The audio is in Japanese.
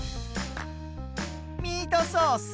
ミートソース。